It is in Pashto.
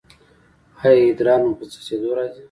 ایا ادرار مو په څڅیدو راځي؟